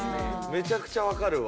めちゃくちゃわかるわ。